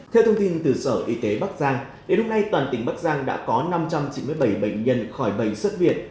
theo thông tin từ sở y tế bắc giang đến lúc này toàn tỉnh bắc giang đã có năm trăm chín mươi bảy bệnh nhân khỏi bệnh xuất viện